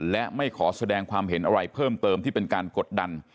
และไม่ขอแสดงความเห็นอะไรเพิ่มเติมที่เป็นการกดดัน